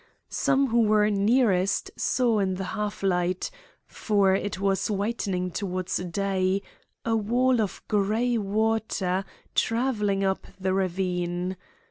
Some who were nearest saw in the half light for it was whitening towards day a wall of gray water travelling up the ravine.